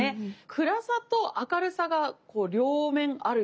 暗さと明るさがこう両面ある